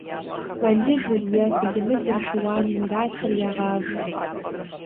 Мэлылыр е былымылыр шыуаным иралъхьэри ягъавэ.